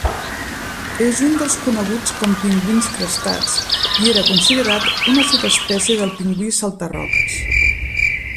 És un dels coneguts com pingüins crestats i era considerat una subespècie del pingüí salta-roques.